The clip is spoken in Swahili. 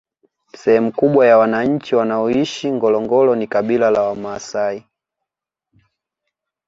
Sehemu kubwa ya wananchi wanaoishi ngorongoro ni kabila la wamaasai